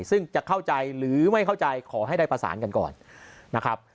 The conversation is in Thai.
ซึ่งจะเข้าใจหรือไม่เข้าใจขอให้ได้ประสานกันก่อนนะครับ